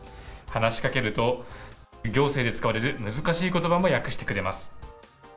話しかけると、行政で使われる難しいことばも訳してくれます。